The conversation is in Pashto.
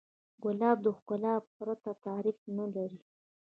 ګلاب د ښکلا پرته تعریف نه لري.